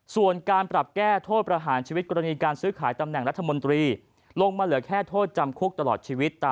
ส่วนการปรับแก้โทษประหารชีวิตกรณีการซื้อขายตำแหน่งรัฐมนตรี